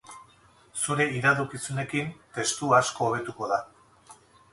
Zure iradokizunekin testua asko hobetuko da.